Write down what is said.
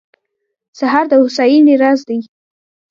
سهار د هوساینې راز دی.